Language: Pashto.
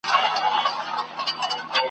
ډېر به دي رقیبه جهاني د سترګو غشی وي ..